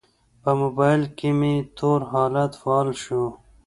په موبایل کې مې تور حالت فعال شو.